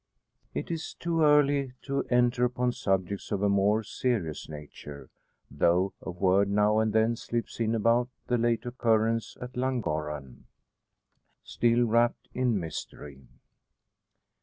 It is too early to enter upon subjects of a more serious nature, though a word now and then slips in about the late occurrence at Llangorren, still wrapped in mystery.